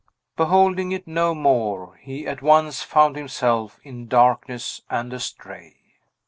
Beholding it no more, he at once found himself in darkness and astray.